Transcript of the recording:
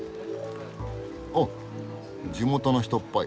おっ地元の人っぽい。